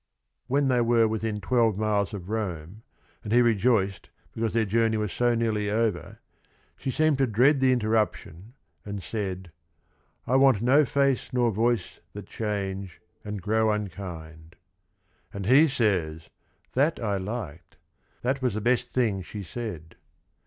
When they were within twelve miles of Rome, and he rejoiced because their journey was so nearly over, she seemed to dread the interruption and said: "I want no face nor voice that change and grow unkind." And he says: "That I liked, that was the best thing she said."